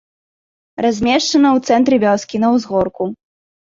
Размешчана ў цэнтры вёскі, на ўзгорку.